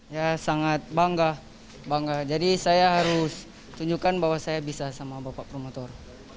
ya sangat bangga bangga jadi saya harus tunjukkan bahwa saya bisa sama bapak promotor